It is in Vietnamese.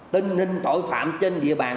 tình hình tội phạm trên địa bàn